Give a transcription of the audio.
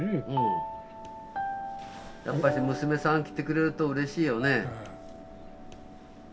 やっぱし娘さん来てくれるとうれしいよね。